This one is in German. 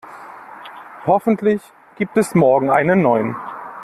Hoffentlich gibt es morgen einen neuen.